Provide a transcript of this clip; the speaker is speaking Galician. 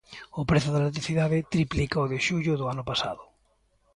O prezo da electricidade triplica o de xullo do ano pasado.